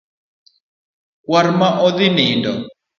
Kwar wa odhi nindo